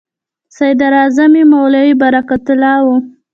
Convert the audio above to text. صدراعظم یې مولوي برکت الله و.